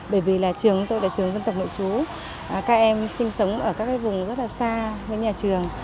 bởi vì là trường của tôi là trường dân tộc nội chú các em sinh sống ở các vùng rất là xa với nhà trường